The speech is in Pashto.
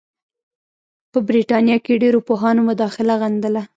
په برټانیه کې ډېرو پوهانو مداخله غندله.